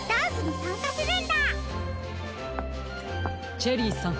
チェリーさん。